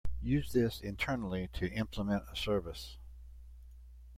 Use this internally to implement a service.